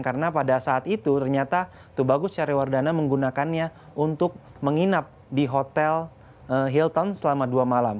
karena pada saat itu ternyata tubagus syariwardana menggunakannya untuk menginap di hotel hilton selama dua malam